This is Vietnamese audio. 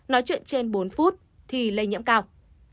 nói chuyện trên bốn phút thì lây nhiễm cao